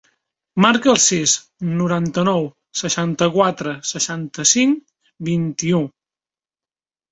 Marca el sis, noranta-nou, seixanta-quatre, seixanta-cinc, vint-i-u.